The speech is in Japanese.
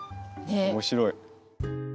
面白い！